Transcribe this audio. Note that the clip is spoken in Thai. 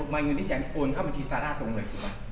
มายเงินที่จ่ายโอนค่าบัญชีซาร่าตรงเลยใช่ปะ